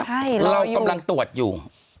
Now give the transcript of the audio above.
ใช่รออยู่เรากำลังตรวจอยู่